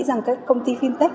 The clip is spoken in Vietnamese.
rằng các công ty fintech